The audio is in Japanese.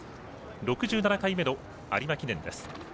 ６７回目の有馬記念です。